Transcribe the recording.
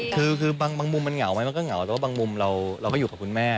คือบางมุมมันเหงาไหมมันก็เหงาแต่ว่าบางมุมเราก็อยู่กับคุณแม่